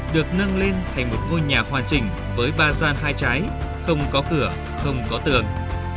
được nâng lên thành một ngôi nhà hoàn chỉnh với ba gian hai trái không có cửa không có tường